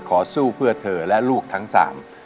สู้เพื่อเธอและลูกทั้งสาม